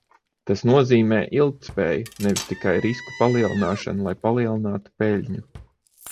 Tas nozīmē ilgtspēju, nevis tikai risku palielināšanu, lai palielinātu peļņu.